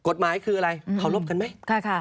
กฎหมายคืออะไรเคารพกันไหม